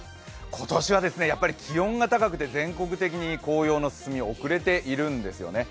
今年は気温が高くて全国的に紅葉の進み遅れているんですよね。